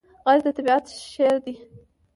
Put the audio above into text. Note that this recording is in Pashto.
غږ د طبیعت شعر دی